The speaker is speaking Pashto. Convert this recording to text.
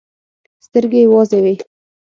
سترګې يې وازې وې.